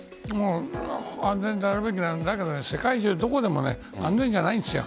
安全であるべきだけどでも、世界中どこでも安全じゃないんですよ。